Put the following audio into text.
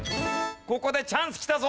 ここでチャンスきたぞ。